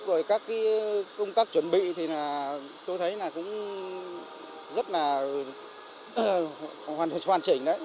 rồi các công tác chuẩn bị thì tôi thấy là cũng rất là hoàn chỉnh đấy